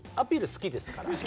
好きですからね。